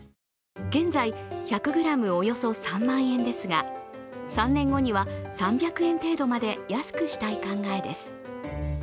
現在１００ｇおよそ３万円ですが、３年後には、３００円程度まで安くしたい考えです。